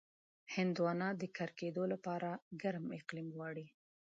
هندوانه د کر کېدو لپاره ګرم اقلیم غواړي.